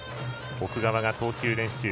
奥川が投球練習。